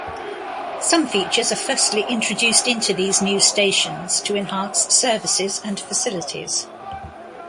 Some features are firstly introduced into these new stations to enhance services and facilities.